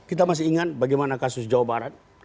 kita masih ingat bagaimana kasus jawa barat